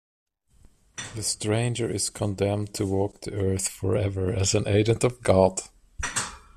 The Stranger is condemned to walk the Earth forever as an agent of God.